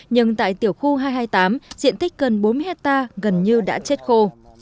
nhưng tại tiểu khu hai trăm hai mươi tám diện tích gần bốn mươi hectare gần như đã chết khô